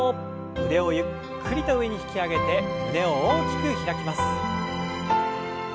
腕をゆっくりと上に引き上げて胸を大きく開きます。